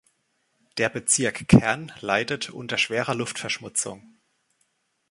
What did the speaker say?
Der Bezirk Kern leidet unter schwerer Luftverschmutzung.